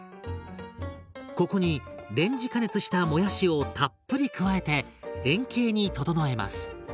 ここにレンジ加熱したもやしをたっぷり加えて円形に整えます。